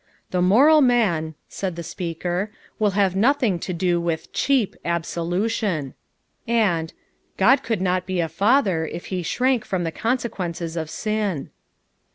"The moral man," said the speaker, "will have nothing to do with cheap absolution." And "God could not be a father if he shrank from the conse quences of sin."